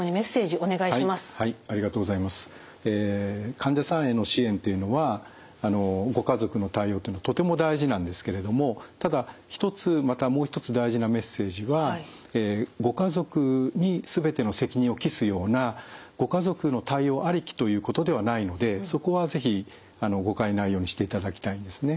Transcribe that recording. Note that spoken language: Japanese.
患者さんへの支援っていうのはご家族の対応というのもとても大事なんですけれどもただ一つまたもう一つ大事なメッセージはご家族に全ての責任を帰すようなご家族の対応ありきということではないのでそこは是非誤解ないようにしていただきたいんですね。